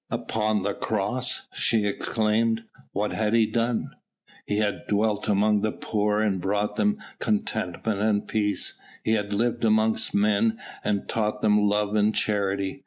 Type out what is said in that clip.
"Upon the cross?" she exclaimed; "what had he done?" "He had dwelt among the poor and brought them contentment and peace; He had lived amongst men and taught them love and charity.